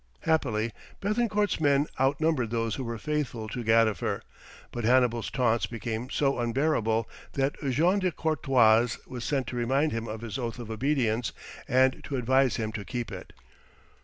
Happily, Béthencourt's men outnumbered those who were faithful to Gadifer, but Hannibal's taunts became so unbearable that Jean de Courtois was sent to remind him of his oath of obedience and to advise him to keep it.